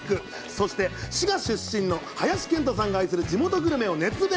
そして、滋賀出身の林遣都さんが愛する地元グルメを熱弁。